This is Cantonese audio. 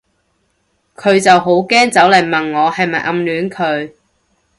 佢就好驚走嚟問我係咪暗戀佢